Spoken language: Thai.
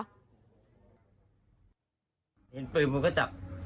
เห็นปืนมันก็จับ